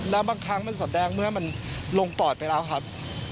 แล้วบางครั้งมันสำแดงเมื่อมันลงปอดไปแล้วครับ